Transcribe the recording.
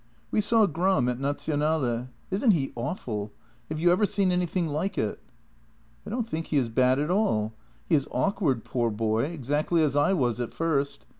"We saw Gram at Nazionale. Isn't he awful? Have you ever seen anything like it? "" I don't think he is bad at all. He is awkward, poor boy, exactly as I was at first.